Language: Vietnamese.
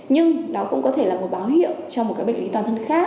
nhưng đó cũng có thể là một báo hiệu cho một bệnh lý toàn thân